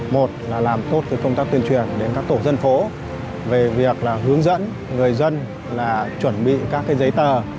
một là làm tốt công tác tuyển truyền đến các tổ dân phố về việc hướng dẫn người dân chuẩn bị các giấy tờ